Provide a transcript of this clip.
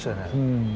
うん。